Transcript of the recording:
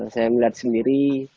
saya melihat sendiri